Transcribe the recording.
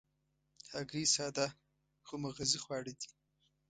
هګۍ ساده خو مغذي خواړه دي.